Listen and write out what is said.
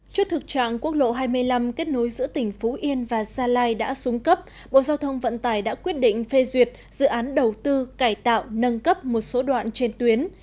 trước thực trạng quốc lộ hai mươi năm kết nối giữa tỉnh phú yên và gia lai đã xuống cấp bộ giao thông vận tải đã quyết định phê duyệt dự án đầu tư cải tạo nâng cấp một số đoạn trên tuyến